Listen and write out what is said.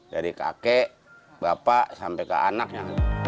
dari kakek bapak sampai ke anaknya